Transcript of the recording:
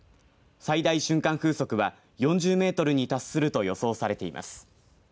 最大瞬間風速は４０メートルに達すると予想されています。